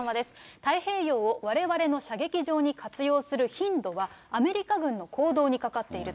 太平洋をわれわれの射撃場に活用する頻度は、アメリカ軍の行動にかかっていると。